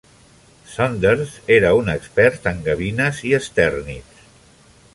Saunders era un expert en gavines i estèrnids.